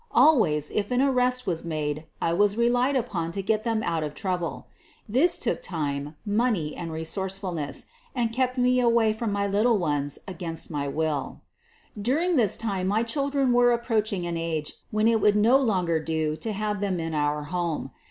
Always, if an arrest was made, I was relied upon to get them out of trouble. This took time, money, and resourcefulness, and kept me away from my little ones against my will. During this time my children were approaching an age when it would no longer do to have them in our home.